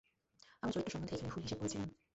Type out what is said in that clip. আমার চরিত্র সম্বন্ধে এইখানে ভুল হিসেব করেছিলেন।